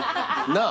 なあ？